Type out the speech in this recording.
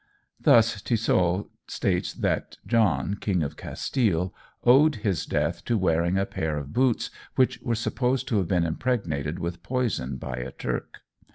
Thus Tissot states that John, King of Castile, owed his death to wearing a pair of boots which were supposed to have been impregnated with poison by a Turk.